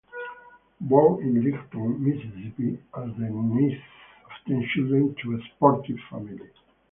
Born in Richton, Mississippi, as the ninth of ten children to a sportive family.